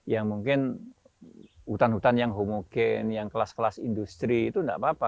ya mungkin hutan hutan yang homogen yang kelas kelas industri itu tidak apa apa